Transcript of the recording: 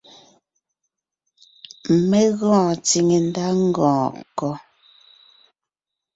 Mé gɔɔn tsìŋe ndá ngɔɔn kɔ́?